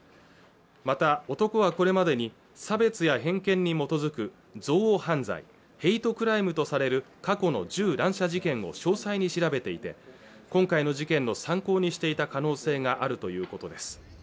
また男はこれまでに差別や偏見に基づく憎悪犯罪＝ヘイトクライムとされる過去の銃乱射事件を詳細に調べていて今回の事件の参考にしていた可能性があるということです